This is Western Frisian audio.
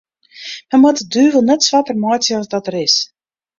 Men moat de duvel net swarter meitsje as dat er is.